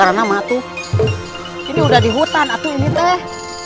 ya ya woy ini udah di hutan atuh ini teh